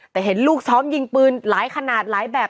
แต่เห็นลูกซ้อมยิงปืนหลายขนาดหลายแบบ